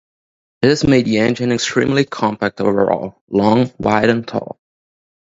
This made the engine extremely compact overall, long, wide and tall.